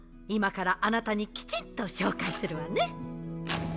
今からあなたにきちんと紹介するわね。